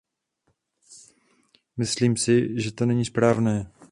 Myslím si, že to není správné.